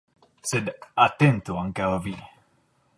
Sed atentu ankaŭ vi.